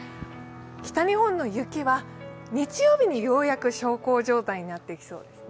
北日本の雪は日曜日にようやく小康状態になってきそうですね。